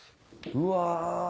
うわ。